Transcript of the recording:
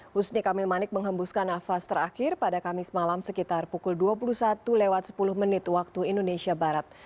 husni kamil manik menghembuskan nafas terakhir pada kamis malam sekitar pukul dua puluh satu lewat sepuluh menit waktu indonesia barat